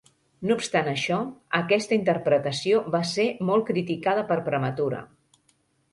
No obstant això, aquesta interpretació va ser molt criticada per prematura.